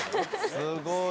すごい。